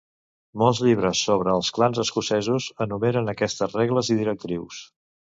Molts llibres sobre els clans escocesos enumeren aquestes regles i directrius.